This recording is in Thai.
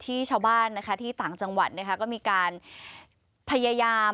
ชาวบ้านนะคะที่ต่างจังหวัดนะคะก็มีการพยายาม